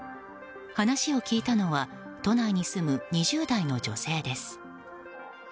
話を聞いたのは都内に住む２０代の女性です。